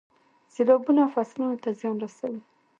سیلابونه فصلونو ته زیان رسوي.